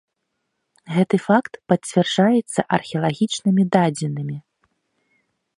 Гэты факт пацвярджаюцца археалагічнымі дадзенымі.